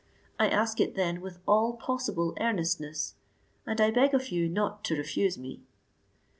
I ask it then with all possible earnestness, and I beg of you not to refuse me."